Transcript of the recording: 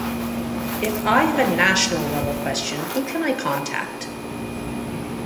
If I have a national level question, who can I contact?